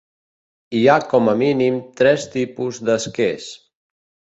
Hi ha com a mínim tres tipus d'esquers.